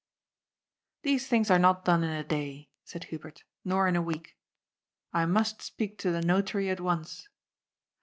" These things are not done in a day," said Hubert, " nor in a week. I must speak to the Notary at once."